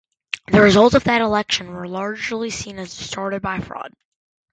The results of that election were largely seen as distorted by fraud.